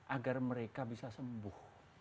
agar mereka bisa sembuh